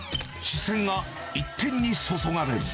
視線が一点に注がれる。